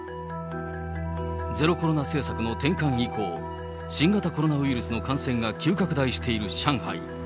ゼロコロナ政策の転換以降、新型コロナウイルスの感染が急拡大している上海。